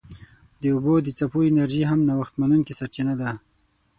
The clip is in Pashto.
د اوبو د څپو انرژي هم نوښت منونکې سرچینه ده.